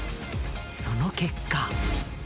その結果。